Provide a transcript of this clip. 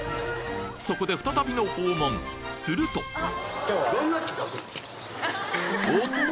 そこで再びの訪問するとおっと！